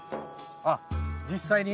あっ実際に？